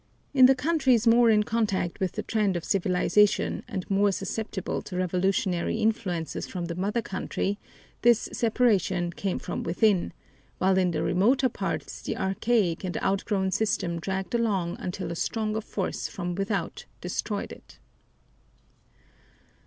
In the countries more in contact with the trend of civilization and more susceptible to revolutionary influences from the mother country this separation came from within, while in the remoter parts the archaic and outgrown system dragged along until a stronger force from without destroyed it.